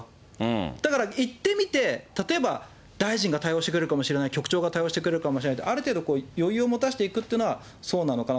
だから、いってみて、例えば、大臣が対応してくれるかもしれない、局長が対応してくれないかもしれないと、ある程度、余裕を持たせていくっていうのは、そうなのかな。